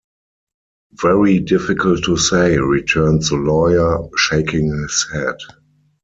"Very difficult to say," returns the lawyer, shaking his head.